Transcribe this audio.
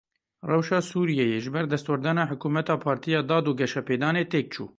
Rewşa Sûriyeyê ji ber destwerdana hikûmeta Partiya Dad û Geşepêdanê têk çû.